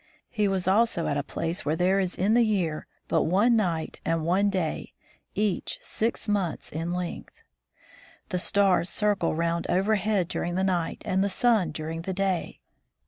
He was also at a place where there is in the year but one night and one day, each six months in length. The stars circle round overhead during the night and the sun during the day.